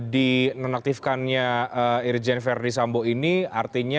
dinonaktifkannya irjen ferdis sambo ini artinya